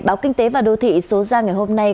báo kinh tế và đô thị số ra ngày hôm nay